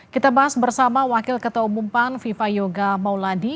kita bahas bersama wakil ketua umum pan viva yoga mauladi